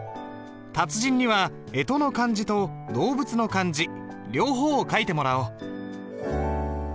達人にはえとの漢字と動物の漢字両方を書いてもらおう。